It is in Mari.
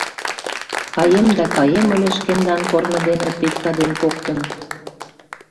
Каем да каем ыле шкендан корно дене Петька ден коктын.